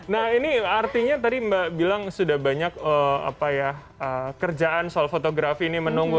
nah ini artinya tadi mbak bilang sudah banyak kerjaan soal fotografi ini menunggu